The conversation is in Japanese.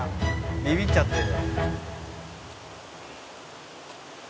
「ビビっちゃってるね」